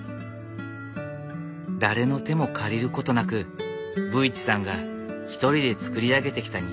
誰の手も借りることなく武市さんが一人で造り上げてきた庭。